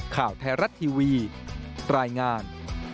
ข่าวไทยรัฐทีวีรายงาน